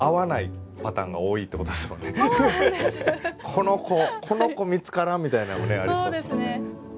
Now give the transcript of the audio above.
この子この子見つからんみたいなのもありそうですもんね。